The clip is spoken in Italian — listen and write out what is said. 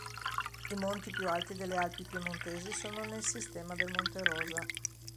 I monti più alti delle Alpi piemontesi sono nel sistema del Monte Rosa.